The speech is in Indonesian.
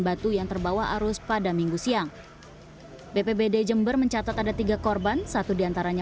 batu yang terbawa arus pada minggu siang bpbd jember mencatat ada tiga korban satu diantaranya